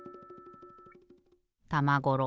玉五郎